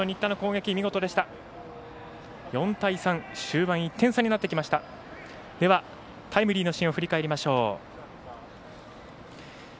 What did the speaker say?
では、タイムリーのシーンを振り返りましょう。